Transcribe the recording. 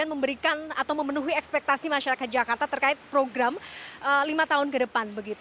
dan memberikan atau memenuhi ekspektasi masyarakat jakarta terkait program lima tahun ke depan